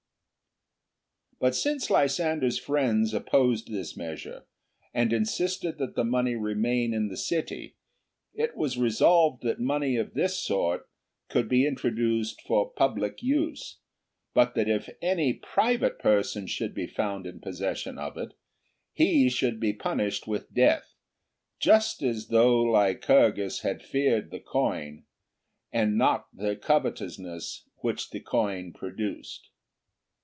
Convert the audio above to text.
But since Lysander's friends opposed this measure, and insisted that the money remain in the city, it was resolved that money of this sort could be intro duced for public use, but that if any private person should be found in possession of it, he should be punished with death; just as though Lycurgus had feared the coin, and not the covetousness which the coin produced.